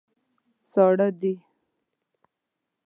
ساړه دي.